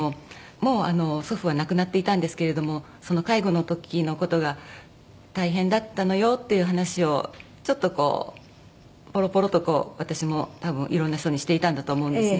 もう祖父は亡くなっていたんですけれどもその介護の時の事が大変だったのよっていう話をちょっとこうポロポロと私も多分いろんな人にしていたんだと思うんですね。